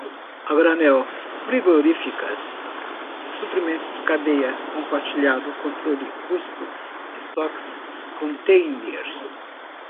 a granel frigoríficas suprimentos cadeia compartilhado controle custos estoque contêiner